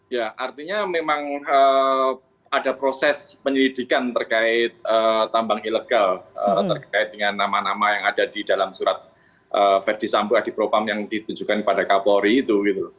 ya artinya memang ada proses penyelidikan terkait tambang ilegal terkait dengan nama nama yang ada di dalam surat verdi sambo adi propam yang ditunjukkan kepada kapolri itu